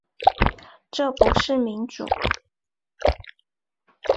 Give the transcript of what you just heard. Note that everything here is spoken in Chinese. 这不是民主